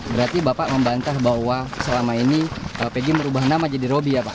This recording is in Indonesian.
berarti bapak membantah bahwa selama ini pg merubah nama jadi robby ya pak